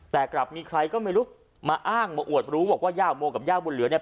แต่กลับมีใครก็ไม่รู้มาอ้างมาอวดรู้บอกว่าย่าโมกับย่าบุญเหลือเนี่ย